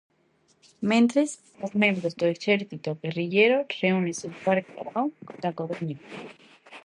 Mentres, os membros do Exército Guerrilleiro reúnense no bar Caión da Coruña.